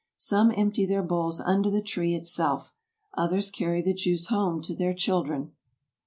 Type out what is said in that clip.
Some empty their bowls under the tree itself, others carry the juice home to their children.